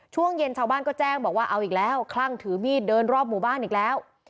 ช่วงเย็นชาวบ้านก็แจ้งบอกว่าเอาอีกแล้วคลั่งถือมีดเดินรอบหมู่บ้านอีกแล้ว